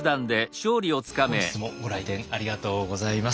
本日もご来店ありがとうございます。